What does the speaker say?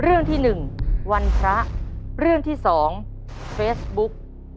เอาเรื่องเฟสบุ๊คค่ะ